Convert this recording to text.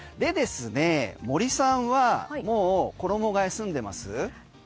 森さんはもう衣替え済んでます？